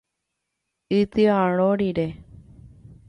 Ityarõ rire.